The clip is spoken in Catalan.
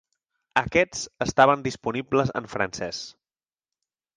Aquests estaven disponibles en francès.